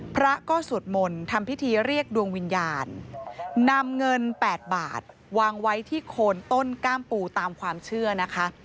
พระก็สวดมนต์ทำพิธีเรียกดวงวิญญาณนำเงินแปดบาทวางไว้ที่โคนต้นกล้ามปูตามความเชื่อนะคะ